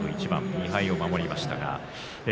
２敗を守りました。